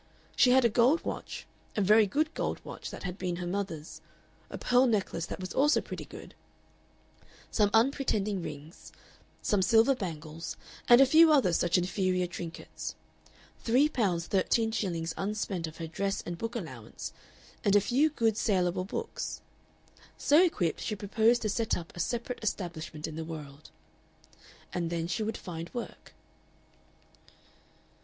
She had a gold watch, a very good gold watch that had been her mother's, a pearl necklace that was also pretty good, some unpretending rings, some silver bangles and a few other such inferior trinkets, three pounds thirteen shillings unspent of her dress and book allowance and a few good salable books. So equipped, she proposed to set up a separate establishment in the world. And then she would find work.